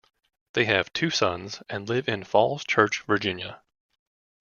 They have two sons and live in Falls Church, Virginia.